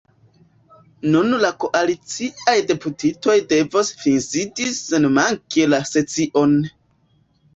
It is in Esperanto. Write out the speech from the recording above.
Nun la koaliciaj deputitoj devos finsidi senmanke la sesion.